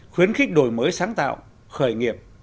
khuyến khích đổi mới sáng tạo khởi nghiệp